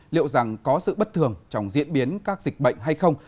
liệu rằng có sự bất thường trong diễn biến các dịch bệnh hay không